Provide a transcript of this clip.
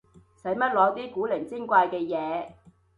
使乜攞啲古靈精怪嘅嘢